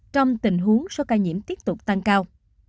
trong tình huống số ca nhiễm tiếp tục tăng cao